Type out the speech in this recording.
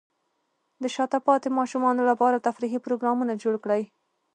د شاته پاتې ماشومانو لپاره تفریحي پروګرامونه جوړ کړئ.